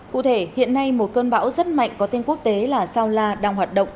cụ thể hiện nay một cơn bão rất mạnh có tên quốc tế là sao la đang hoạt động